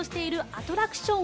アトラクション。